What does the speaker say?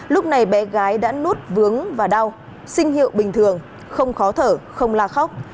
lúc này bé gái đã nút vướng và đau sinh hiệu bình thường không khó thở không la khóc